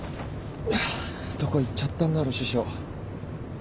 どこ行っちゃったんだろ師匠。